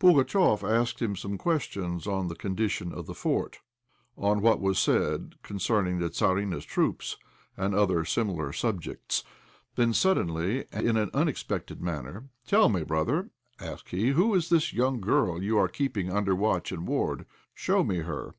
Pugatchéf asked him some questions on the condition of the fort, on what was said concerning the Tzarina's troops, and other similar subjects. Then suddenly and in an unexpected manner "Tell me, brother," asked he, "who is this young girl you are keeping under watch and ward? Show me her."